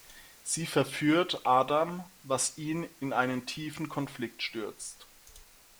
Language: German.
Sie verführt Adam, was ihn in einen tiefen Konflikt stürzt.